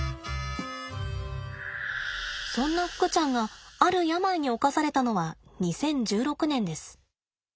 そんなふくちゃんがある病におかされたのは２０１６年です。